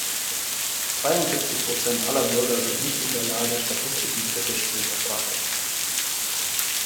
Zweiundsiebzig Prozent aller Bürger sind nicht in der Lage, Statistiken kritisch zu hinterfragen.